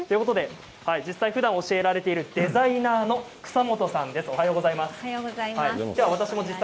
実際、ふだん教えられているデザイナーの草本さんです。